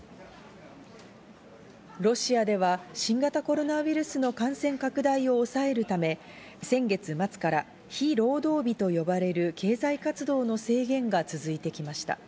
ロシアでは新型コロナウイルスの感染拡大を抑えるため、先月末から非労働日と呼ばれる経済活動の制限が続いてきました。